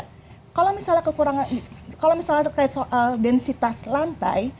kalau misalnya terkait soal densitas lantai